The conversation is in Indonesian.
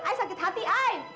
ayah sakit hati ayah